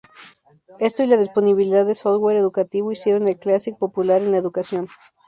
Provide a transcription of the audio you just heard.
Esto y la disponibilidad de software educativo hicieron al Classic popular en la educación.